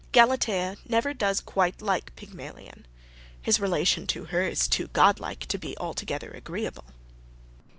Galatea never does quite like Pygmalion: his relation to her is too godlike to be altogether agreeable.